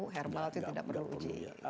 herbal itu tidak perlu uji